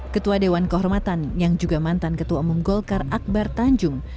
ketua dewan kehormatan yang juga mantan ketua umum golkar akbar tanjung